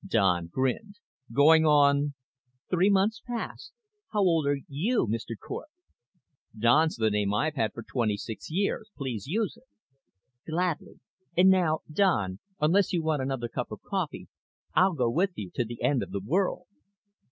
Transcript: Don grinned. "Going on?" "Three months past. How old are you, Mr. Cort?" "Don's the name I've had for twenty six years. Please use it." "Gladly. And now, Don, unless you want another cup of coffee, I'll go with you to the end of the world."